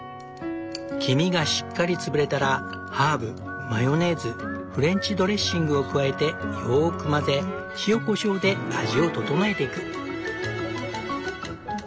黄身がしっかり潰れたらハーブマヨネーズフレンチドレッシングを加えてよく混ぜ塩こしょうで味を調えていく。